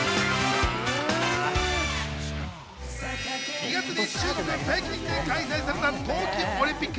２月に中国・北京で開催された冬季オリンピック。